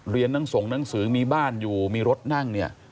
ทั้งส่งหนังสือมีบ้านอยู่มีรถนั่งเนี่ย